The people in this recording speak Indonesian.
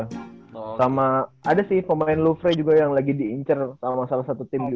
iya sama ada sih pemain lofre juga yang lagi diincir sama salah satu tim juga